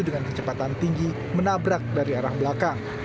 dengan kecepatan tinggi menabrak dari arah belakang